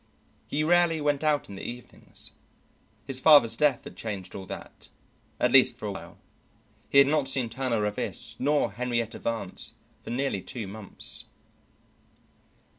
He rarely went out in the evenings; his father's death had changed all that, at least for a while. He had not seen Turner Ravis nor Henrietta Vance for nearly two months.